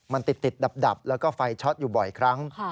มันติดดับแล้วก็ไฟช็อตอยู่บ่อยครั้ง